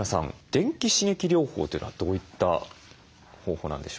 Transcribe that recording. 電気刺激療法というのはどういった方法なんでしょうか？